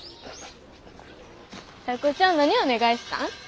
タイ子ちゃん何お願いしたん？